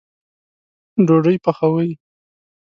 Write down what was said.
ډوډۍ پخوئ